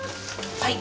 はい。